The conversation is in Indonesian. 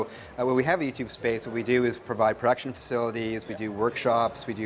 jadi saat kita memiliki youtube space apa yang kita lakukan adalah memberikan fasilitas produksi kami melakukan pekerjaan